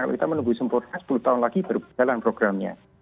kita menunggu sempurna sepuluh tahun lagi berjalan programnya